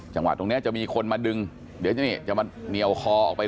จังหวะตรงนี้จะมีคนมาดึงเดี๋ยวจะนี่จะมาเหนียวคอออกไป